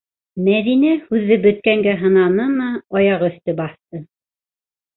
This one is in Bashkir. Мәҙинә, һүҙҙе бөткәнгә һананымы, аяғөҫтө баҫты.